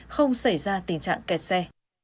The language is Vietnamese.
không xảy ra tình trạng kẹt xe